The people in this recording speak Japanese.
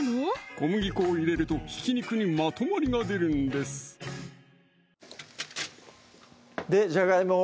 小麦粉を入れるとひき肉にまとまりが出るんですでじゃがいもを？